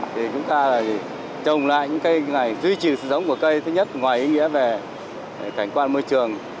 thì chúng ta trồng lại những cây này duy trì sử dụng của cây thứ nhất ngoài ý nghĩa về cảnh quan môi trường